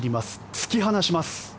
突き放します。